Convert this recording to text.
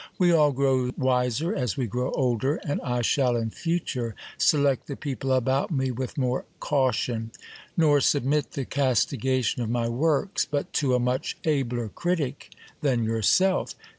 We all grow wiser as we grow older, and I shall in future select the people about me with more caution ; nor submit the castigation of my works but to a much abler critic than yourself.